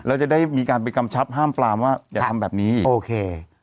แล้วจะได้มีการไปกำชับห้ามปลามว่าอย่าทำแบบนี้อีกโอเค